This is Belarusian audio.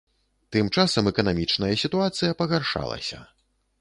Тым часам эканамічная сітуацыя пагаршалася.